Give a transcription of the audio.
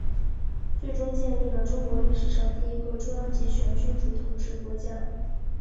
最终建立了中国历史上第一个中央集权君主统治国家。